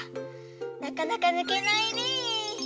なかなかぬけないね。